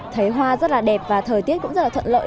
thấy hoa rất là đẹp và thời tiết cũng rất là thuận lợi